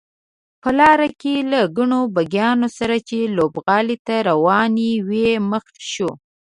په لاره کې له ګڼو بګیانو سره چې لوبغالي ته روانې وې مخ شوو.